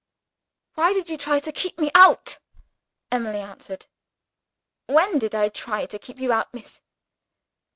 "Why did you try to keep me out?" Emily answered. "When did I try to keep you out, miss?"